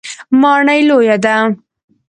ماڼۍ لویه ده.